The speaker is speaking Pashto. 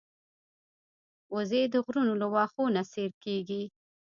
وزې د غرونو له واښو نه سیر کېږي